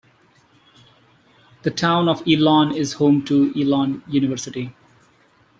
The town of Elon is home to Elon University.